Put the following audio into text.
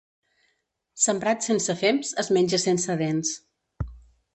Sembrat sense fems es menja sense dents.